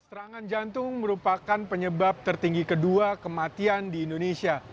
serangan jantung merupakan penyebab tertinggi kedua kematian di indonesia